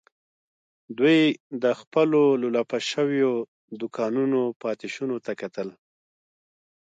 دوی د خپلو لولپه شويو دوکانونو پاتې شونو ته کتل.